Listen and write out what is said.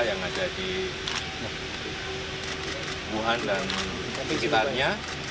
yang ada di wuhan dan sekitarnya